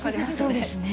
そうですね。